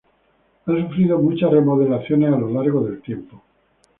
Ha sufrido muchas remodelaciones a lo largo del tiempo.